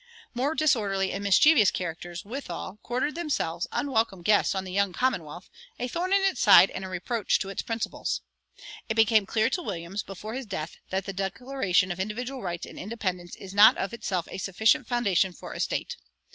More disorderly and mischievous characters, withal, quartered themselves, unwelcome guests, on the young commonwealth, a thorn in its side and a reproach to its principles. It became clear to Williams before his death that the declaration of individual rights and independence is not of itself a sufficient foundation for a state.